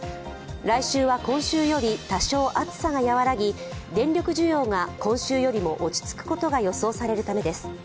来週は今週より多少暑さが和らぎ電力需要が今週よりも落ち着くことが予想されるためです。